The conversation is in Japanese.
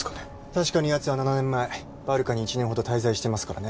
確かにやつは７年前バルカに１年ほど滞在してますからね